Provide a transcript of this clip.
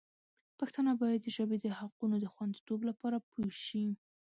پښتانه باید د ژبې د حقونو د خوندیتوب لپاره پوه شي.